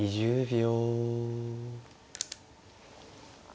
２０秒。